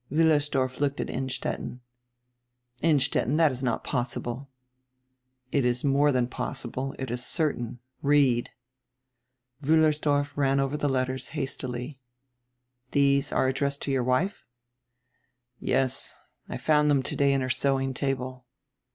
Wiillersdorf looked at Innstetten. "Instetten, tiiat is not possible." "It is more dian possible, it is certain. Read." Wiillersdorf ran over die letters hastily. "These are addressed to your wife?" "Yes. I found diem today in her sewing table."